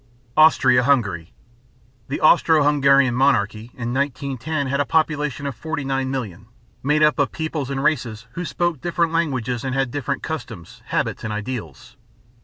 AUSTRIA HUNGARY. The Austro Hungarian Monarchy in 1910 had a population of 49,000,000, made up of peoples and races who spoke different languages and had different customs, habits, and ideals.